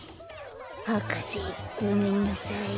博士ごめんなさい。